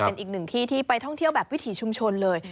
เป็นอีกหนึ่งที่ที่ไปท่องเที่ยวแบบวิถีชุมชนเลย